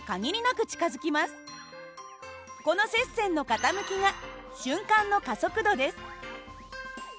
この接線の傾きが瞬間の加速度です。